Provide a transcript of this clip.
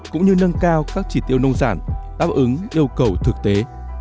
cũng như nâng cao các chỉ tiêu nông sản đáp ứng yêu cầu thực tế